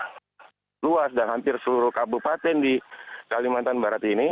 sangat luas dan hampir seluruh kabupaten di kalimantan barat ini